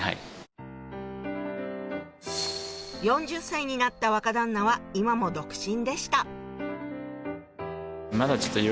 ４０歳になった若旦那は今も独身でしたまだちょっと。